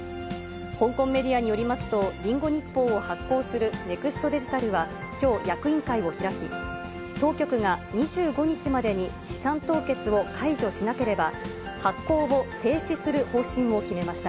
香港メディアによりますと、リンゴ日報を発行するネクストデジタルは、きょう、役員会を開き、当局が２５日までに資産凍結を解除しなければ、発行を停止する方針を決めました。